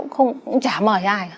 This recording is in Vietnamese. cũng chả mời ai